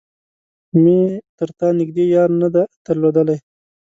مې تر تا نږدې يار نه دی درلودلی.